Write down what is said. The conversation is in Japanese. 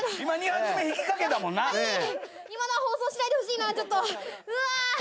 今のは放送しないでほしいなちょっとうわ。